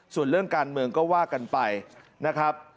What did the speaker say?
ส่วนเรื่องการเมืองก็ว่ากันไปนะครับ